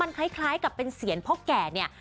คล้ายกับเป็นเสียงพ่อแก่เนี่ย